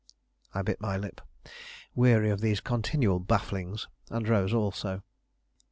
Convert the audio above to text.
I bit my lip, weary of these continual bafflings, and rose also.